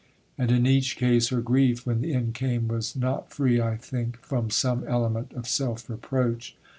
And in each case her grief, when the end came, was not free, I think, from some element of self reproach.